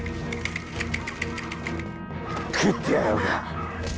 食ってやろうか！